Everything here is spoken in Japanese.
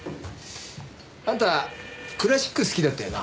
あんたクラシック好きだったよな？